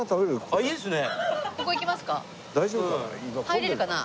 入れるかな？